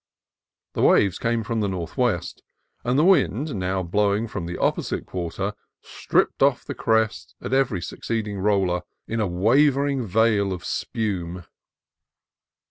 The waves came from the northwest, and the wind, now blowing from the op posite quarter, stripped off the crest of each succeed ing roller in a wavering veil of spume.